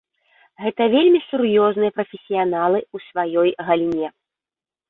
Гэта вельмі сур'ёзныя прафесіяналы ў сваёй галіне.